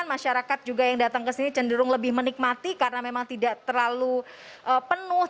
dan masyarakat juga yang datang ke sini cenderung lebih menikmati karena memang tidak terlalu penuh